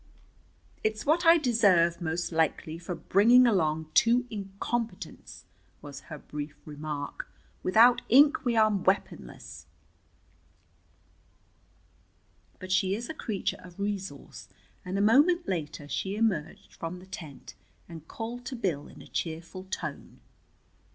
"It's what I deserve, most likely, for bringing along two incompetents," was her brief remark. "Without ink we are weaponless." But she is a creature of resource, and a moment later she emerged from the tent and called to Bill in a cheerful tone.